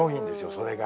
それが。